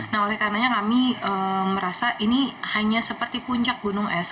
nah oleh karenanya kami merasa ini hanya seperti puncak gunung es